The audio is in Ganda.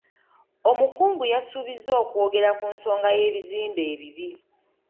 Omukungu yasuubizza okwogera ku nsonga y'ebizimbe ebibi.